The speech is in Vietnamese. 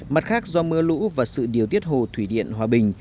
mặt khác do mưa lũ và sự điều tiết hồ thủy điện hòa bình